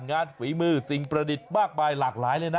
ฝีมือสิ่งประดิษฐ์มากมายหลากหลายเลยนะ